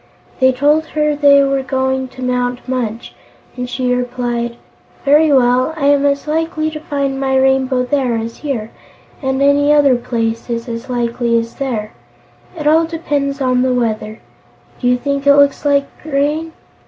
They told her they were going to Mount Munch, and she replied: "Very well; I am as likely to find my Rainbow there as here, and any other place is as likely as there. It all depends on the weather. Do you think it looks like rain?"